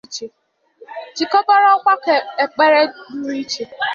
chịkọbara ọgbakọ ekpere pụrụ ichè